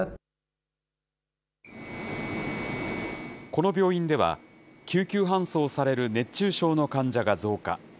この病院では、救急搬送される熱中症の患者が増加。